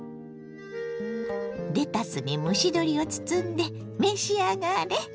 レタスに蒸し鶏を包んで召し上がれ。